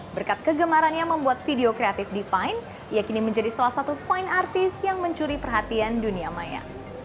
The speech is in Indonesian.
berkat kegemarannya membuat video kreatif define ia kini menjadi salah satu poin artis yang mencuri perhatian dunia maya